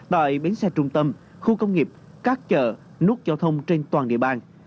tại bến xe trung tâm khu công nghiệp các chợ nút giao thông trên toàn địa bàn